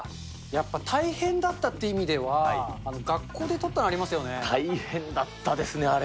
やっぱ、大変だったという意味では、大変だったですね、あれ。